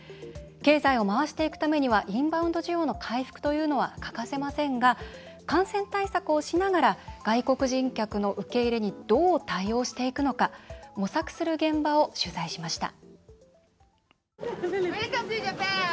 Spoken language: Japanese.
経済を回していくためにはインバウンド需要の回復というのは欠かせませんが感染対策をしながら外国人客の受け入れにどう対応していくのか模索する現場を取材しました。